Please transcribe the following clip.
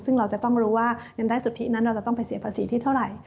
ซึ่งเราจะต้องรู้ว่าเงินได้สุทธินั้นเราจะต้องไปเสียภาษีที่เท่าไหร่